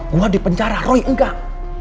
gue di penjara roy enggak